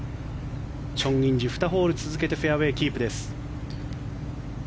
チョン・インジ、２ホール続けてフェアウェーキープです。